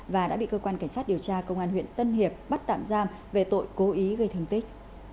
và đã bị cơ quan cảnh sát điều tra công an huyện tân hiệp bắt tạm giam về tội cố ý gây thương tích